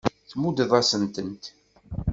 Tmuddeḍ-asen-tent.